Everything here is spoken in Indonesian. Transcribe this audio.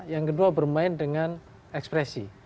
yang kedua bermain dengan ekspresi